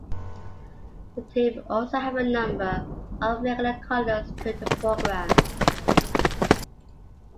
The team also have a number of regular callers to the program.